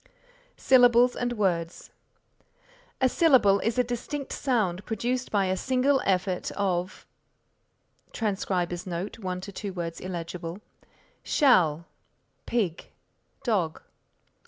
SYLLABLES AND WORDS A syllable is a distinct sound produced by a single effort of [Transcriber's note: 1 2 words illegible] shall, pig, dog.